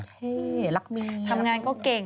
พี่รักเมียทำงานก็เก่ง